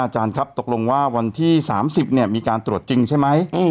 อาจารย์ครับตกลงว่าวันที่๓๐มีการตรวจจริงใช่ไหม